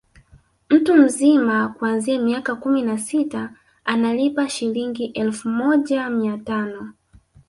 Mtu mzima kuanzia miaka kumi na sita analipa Shilingi elfu moja mia tano